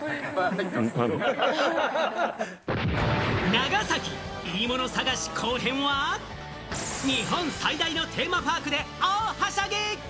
長崎いいもの探しの後編は日本最大のテーマパークで大はしゃぎ。